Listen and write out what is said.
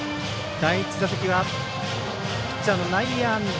第１打席はピッチャーの内野安打。